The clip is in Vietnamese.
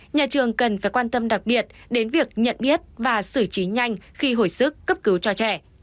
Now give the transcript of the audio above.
nhà trường cần phải quan tâm đặc biệt đến việc nhận biết và xử trí nhanh khi hồi sức cấp cứu cho trẻ